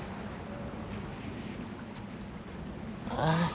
ああ。